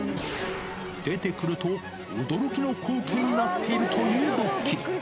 出てくると、驚きの光景になっているというドッキリ。